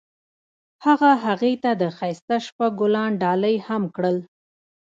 هغه هغې ته د ښایسته شپه ګلان ډالۍ هم کړل.